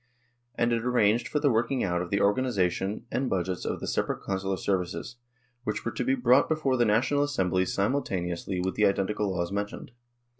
And it arranged for the working out of .the organisation and budgets of the separate Consular services, which were to be brought before the National Assemblies simultaneously with QUESTION OF THE CONSULAR SERVICE 75 the identical laws mentioned.